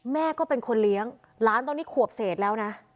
แม่ก็เป็นคนเลี้ยงหลานตอนนี้ขวบเศษแล้วนะ